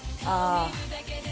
ああ。